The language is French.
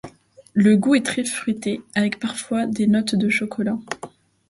Le goût est très fruité, avec parfois des notes de chocolat.